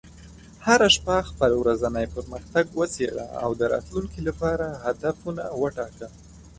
هره شپه خپل ورځنی پرمختګ وڅېړه، او د راتلونکي لپاره هدفونه وټاکه.